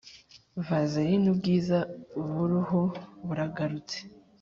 Vazerine ubwiza buruhu buragarutse